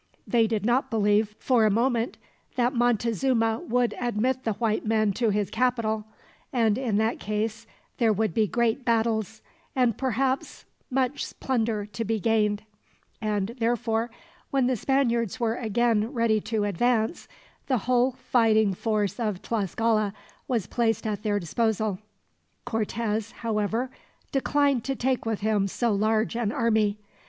They did not believe, for a moment, that Montezuma would admit the white men to his capital, and in that case there would be great battles, and perhaps much plunder to be gained; and therefore, when the Spaniards were again ready to advance, the whole fighting force of Tlascala was placed at their disposal. Cortez, however, declined to take with him so large an army.